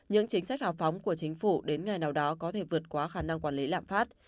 những chính sách hào phóng của chính phủ đến ngày nào đó có thể vượt qua khả năng quản lý lạm phát